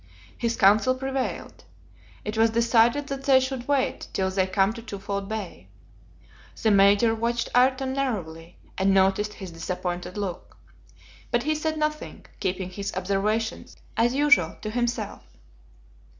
His counsel prevailed. It was decided that they should wait till they came to Twofold Bay. The Major watched Ayrton narrowly, and noticed his disappointed look. But he said nothing, keeping his observations, as usual, to himself.